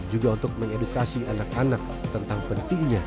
juga untuk mengedukasi anak anak tentang pentingnya